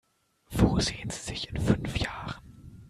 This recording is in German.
Wo sehen Sie sich in fünf Jahren?